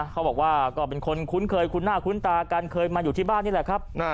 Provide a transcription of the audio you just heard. เขาบอกว่าก็เป็นคนคุ้นเคยคุ้นหน้าคุ้นตากันเคยมาอยู่ที่บ้านนี่แหละครับ